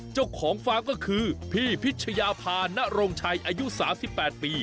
เจ้าของฟาร์มก็คือพี่พิชยาภานโรงชัยอายุ๓๘ปี